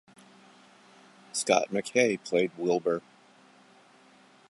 Scott McKay played Wilbur.